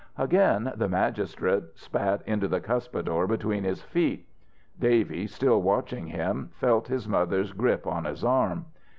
Again the magistrate spat into the cuspidor between his feet. Davy, still watching him, felt his mother's grip on his arm.